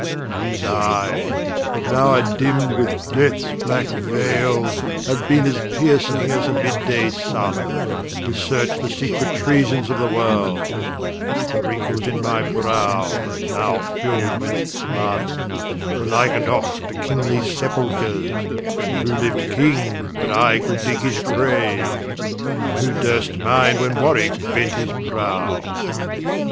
These Eyes, that now are dim'd with Deaths black Veyle, Haue beene as piercing as the Mid day Sunne, To search the secret Treasons of the World: The Wrinckles in my Browes, now fill'd with blood, Were lik'ned oft to Kingly Sepulchers: For who liu'd King, but I could digge his Graue? And who durst smile, when Warwicke bent his Brow?